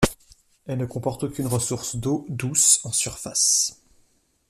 Elle ne comporte aucune ressource d'eau douce en surface.